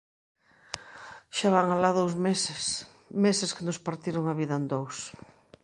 Xa van alá dous meses, meses que nos partiron a vida en dous.